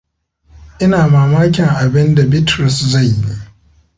Ina mamakin abinda Bitrus zai yi.